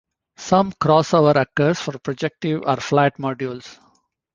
Some crossover occurs for projective or flat modules.